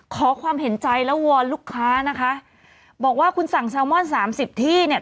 ขอความเห็นใจแล้ววอนลูกค้านะคะบอกว่าคุณสั่งแซลมอนสามสิบที่เนี่ย